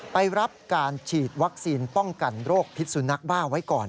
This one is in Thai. ไปรับการฉีดวัคซีนป้องกันโรคพิษสุนัขบ้าไว้ก่อน